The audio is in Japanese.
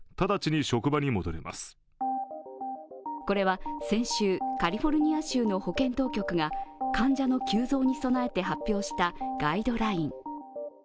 これは先週、カリフォルニア州の保健当局が患者の急増に備えて発表したガイドライン。